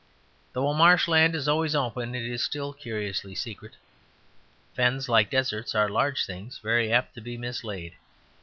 Though a marshland is always open it is still curiously secret. Fens, like deserts, are large things very apt to be mislaid.